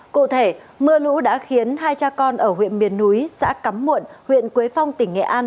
cụ thể mưa lũ đã khiến hai cha con ở huyện miền núi xã cắm muộn huyện quế phong tỉnh nghệ an